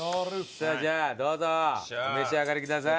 さあじゃあどうぞお召し上がりください。